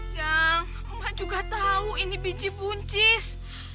jang mak juga tahu ini biji buncis